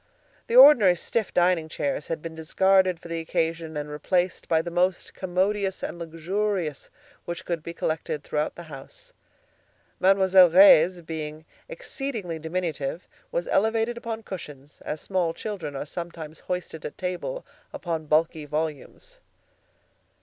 The ordinary stiff dining chairs had been discarded for the occasion and replaced by the most commodious and luxurious which could be collected throughout the house. Mademoiselle Reisz, being exceedingly diminutive, was elevated upon cushions, as small children are sometimes hoisted at table upon bulky volumes.